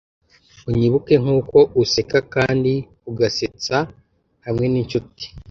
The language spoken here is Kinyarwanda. unyibuke nkuko useka kandi ugasetsa hamwe n'inshuti